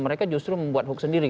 mereka justru membuat hoax sendiri